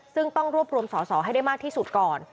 ซึ่งต้องรวบรวมสอสอให้ได้มากที่สุดก่อน